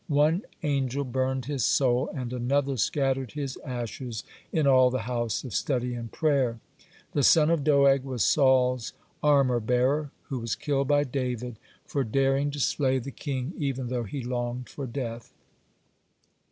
One angel burned his soul, and another scattered his ashes in all the house of study and prayer. (106) The son of Doeg was Saul's armor bearer, who was killed by David for daring to slay the king even though he longed for death.